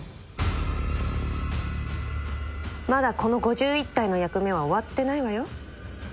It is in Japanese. まだこの５１体の役目は終わってないわよ。